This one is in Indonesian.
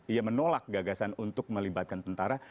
ia menolak gagasan untuk melibatkan tentara